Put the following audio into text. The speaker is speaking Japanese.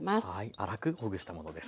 粗くほぐしたものです。